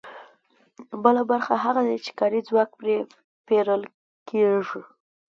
بله برخه هغه ده چې کاري ځواک پرې پېرل کېږي